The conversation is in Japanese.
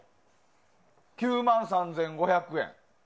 ９万３５００円。